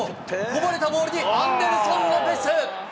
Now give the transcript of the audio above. こぼれたボールにアンデルソン・ロペス。